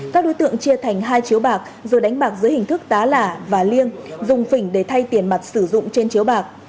các đối tượng chia thành hai chiếu bạc rồi đánh bạc giữa hình thức tá lả và liêng dùng phỉnh để thay tiền mặt sử dụng trên chiếu bạc